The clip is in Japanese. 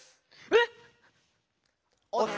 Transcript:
えっ